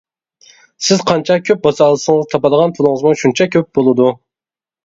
سىز قانچە كۆپ باسالىسىڭىز تاپىدىغان پۇلىڭىزمۇ شۇنچە كۆپ بولىدۇ.